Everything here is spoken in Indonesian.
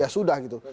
ya sudah gitu